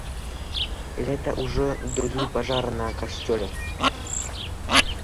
Гэта ўжо другі пажар на касцёле.